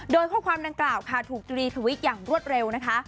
โดยข้อความดังกล่าวค่ะถูกตรีทวิตอย่างรวดเร็วนะคะ